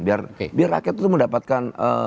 biar biar rakyat itu mendapatkan